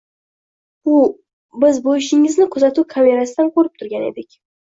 Biz bu ishingizni kuzatuv kamerasidan koʻrib turgan edik.